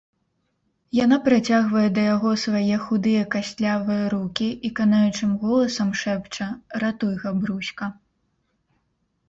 Яна працягвае да яго свае худыя кастлявыя рукi i канаючым голасам шэпча: "Ратуй, Габруська!..